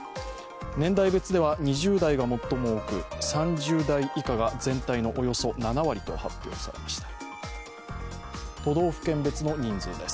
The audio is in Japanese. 年代別では２０代が最も多く３０代以下が全体のおよそ７割と発表されました。